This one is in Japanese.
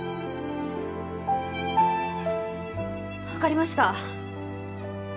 わかりました。